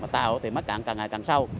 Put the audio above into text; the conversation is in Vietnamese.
tàu thì mất cạn càng ngày càng sâu